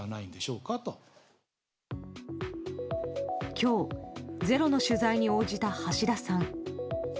今日「ｚｅｒｏ」の取材に応じた橋田さん。